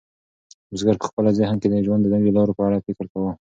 بزګر په خپل ذهن کې د ژوند د نویو لارو په اړه فکر کاوه.